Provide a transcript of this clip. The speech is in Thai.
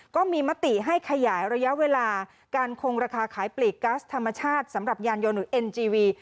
ก็มีมติให้ขยายระยะเวลาการคงราคาขายปลีกกัสธรรมชาติสำหรับยานยนต์หรือเอ็นจีวี